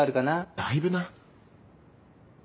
だいぶな。